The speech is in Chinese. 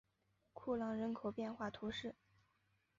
库朗人口变化图示